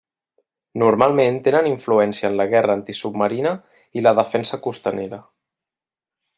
Normalment tenen influència en la guerra antisubmarina i la defensa costanera.